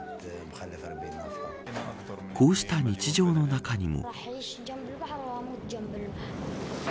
こうした日常の中にも。